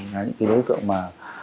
là những đối tượng mà